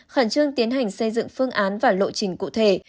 khẩn trương tiến hành xây dựng phương án và lộ trình cụ thể